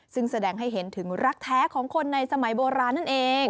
ซึ่งแสดงให้เห็นถึงรักแท้ของคนในสมัยโบราณนั่นเอง